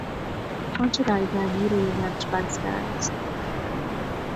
آنچه در ضمیر او نقش بسته است.